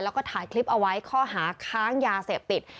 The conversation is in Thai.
แล้วก็ถ่ายคลิปเอาไว้ข้อหาค้างยาเสพติด